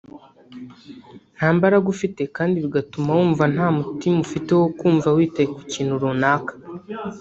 nta mbaraga ufite kandi bigatuma wumva nta mutima ufite wo kumva witaye ku kintu runaka